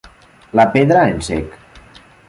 La pedra en sec.